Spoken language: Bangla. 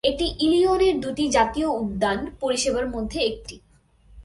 এটি ইলিনয়ের দুটি জাতীয় উদ্যান পরিষেবার মধ্যে একটি।